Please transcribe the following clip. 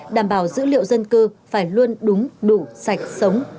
đảm bảo dữ liệu dân cư phải luôn đúng đủ sạch sống